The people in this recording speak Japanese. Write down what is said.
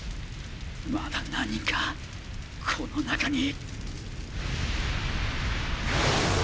まだ何人かこの中に。